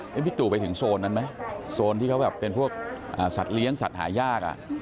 พี่ตู่ไปถึงโซนนั้นไหมโซนที่เขาแบบเป็นพวกสัตว์เลี้ยงสัตว์หายาก